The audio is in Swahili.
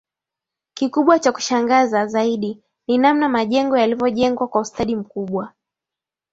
Kikubwa cha kushangaza zaidi ni namna majengo yalivyojengwa kwa ustadi mkubwa